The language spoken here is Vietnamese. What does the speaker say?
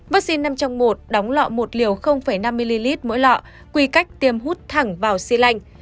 vaccine năm trong một đóng lọ một liều năm ml mỗi lọ quý cách tiêm hút thẳng vào si lạnh